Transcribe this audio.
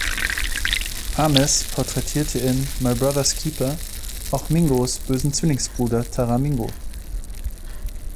Ames porträtierte in „My Brother's Keeper“ auch Mingos bösen Zwillingsbruder Taramingo.